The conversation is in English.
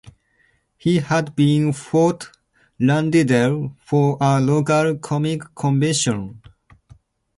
He had been in Fort Lauderdale for a local comic convention.